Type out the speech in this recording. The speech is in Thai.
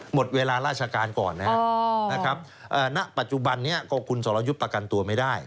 หมดเวลาราชการก่อนนะครับณปัจจุบันนี้ก็คุณสรยุทธ์ประกันตัวไม่ได้